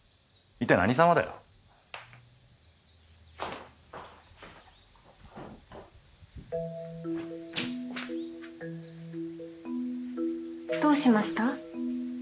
いったい何様だよ。どうしました？